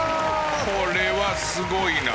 これはすごいな。